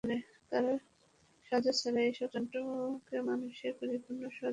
কারও সাহায্য ছাড়াই এসব যন্ত্রকে মানুষের পরিপূর্ণ সহযোগীর ভূমিকায় নামতে হবে।